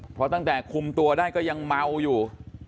เพราะตั้งแต่คุมตัวได้ก็ยังเมาอยู่